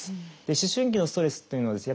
思春期のストレスっていうのはですね